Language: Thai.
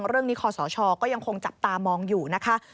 คอสชก็ยังคงจับตามองอยู่นะคะ